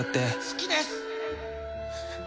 好きです！